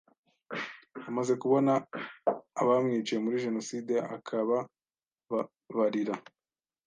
amaze kubona abamwiciye muri Jenoside akabababarira